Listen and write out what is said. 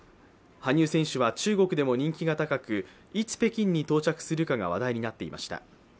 羽生選手は、中国でも人気が高くいつ北京に到着するかが話題になっていました。